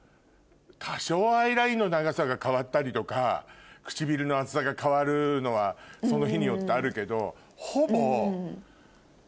多少アイラインの長さが変わったりとか唇の厚さが変わるのはその日によってあるけどほぼ。